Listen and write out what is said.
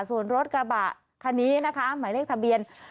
ส่วนรถกระบะคันนี้นะคะหมายเลขทะเบียน